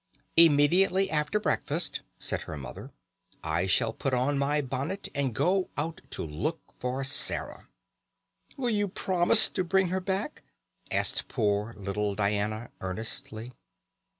"Immediately after breakfast," said her mother, "I shall put on my bonnet and go out to look for Sarah." "Will you promise to bring her back?" asked poor little Diana earnestly.